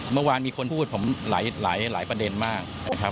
เมื่อวานมีคนพูดผมหลายประเด็นมากนะครับ